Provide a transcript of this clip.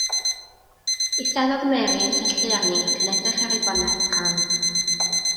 Eisteddodd Mary yn syllu arni ac yn edrych ar ei bonet crand.